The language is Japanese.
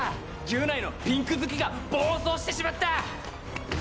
ギュナイのピンクずきが暴走してしまった！